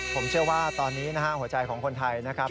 ผมเชื่อว่าตอนนี้นะฮะหัวใจของคนไทยนะครับ